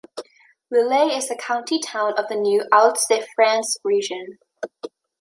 Lille is the county town of the new Hauts-de-France region.